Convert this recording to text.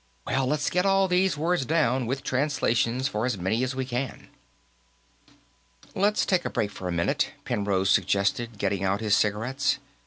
"Well, let's get all these words down, with translations for as many as we can." "Let's take a break for a minute," Penrose suggested, getting out his cigarettes.